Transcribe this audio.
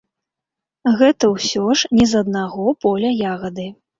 Гэта ўсё ж не з аднаго поля ягады.